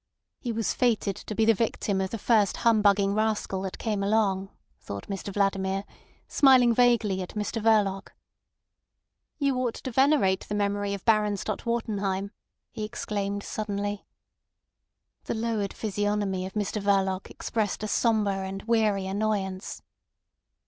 He was fated to be the victim of the first humbugging rascal that came along, thought Mr Vladimir, smiling vaguely at Mr Verloc. "You ought to venerate the memory of Baron Stott Wartenheim," he exclaimed suddenly. The lowered physiognomy of Mr Verloc expressed a sombre and weary annoyance.